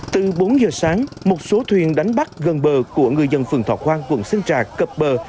từ bốn giờ sáng một số thuyền đánh bắt gần bờ của ngư dân phường thọ quang quận sơn trà cập bờ